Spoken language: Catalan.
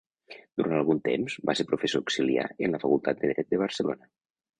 Durant algun temps va ser professor auxiliar en la Facultat de Dret de Barcelona.